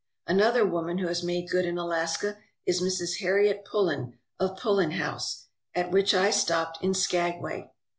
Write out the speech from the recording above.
Another woman who has made good in Alaska is Mrs. Harriet Pullen of Pullen House, at which I stopped in Skagway.